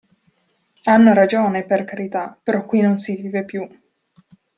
Hanno ragione, per carità, però qui non si vive più.